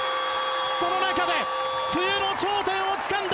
その中で冬の頂点をつかんだ！